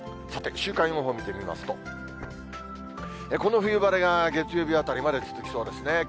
さて、週間予報見てみますと、この冬晴れが月曜日あたりまで続きそうですね。